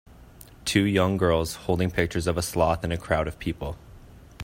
Two young girls holding pictures of a sloth in a crowd of people.